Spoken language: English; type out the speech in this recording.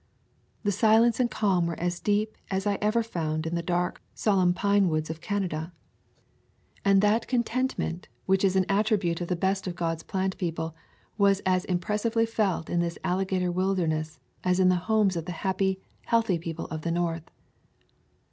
The silence and calm were as deep as ever I found in the dark, solemn pine woods of Canada, and that con [ 115 ] A Thousand Mile W alb tentment which is an attribute of the best of God's plant people was as impressively felt in this alligator wilderness as in the homes of the happy, healthy people of the North.